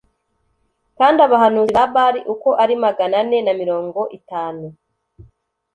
kandi abahanuzi ba Bāli uko ari magana ane na mirongo itanu